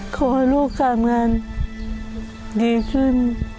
ขอให้ลูกการงานดีขึ้น